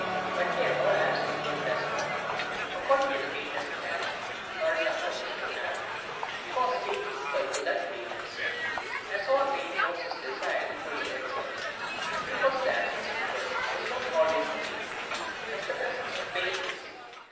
But here all absent good does not, according to the greatness it has, or is acknowledged to have, cause pain equal to that greatness; as all pain causes desire equal to itself: because the absence of good is not always a pain, as the presence of pain is.